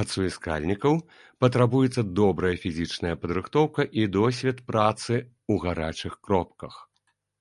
Ад суіскальнікаў патрабуецца добрая фізічная падрыхтоўка і досвед працы ў гарачых кропках.